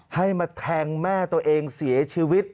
ให้มาแทงแม่ตัวเองเสียชีวิต